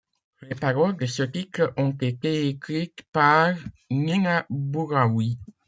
Les paroles de ce titre ont été écrites par Nina Bouraoui.